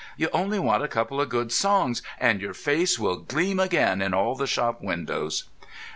You only want a couple of good songs, and your face will gleam again in all the shop windows."